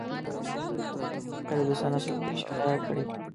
غیردوستانه سلوک ته اشاره کړې وه.